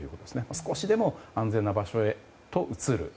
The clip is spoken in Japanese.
少しでも安全な場所に移る。